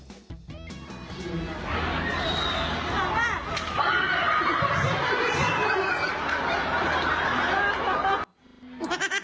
ขอบคุณผู้ชม